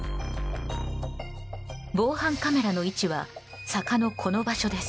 防犯カメラの位置は坂のこの場所です。